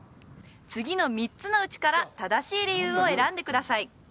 次の３つのうちから正しい理由を選んでください